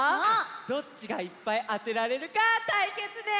どっちがいっぱいあてられるかたいけつです！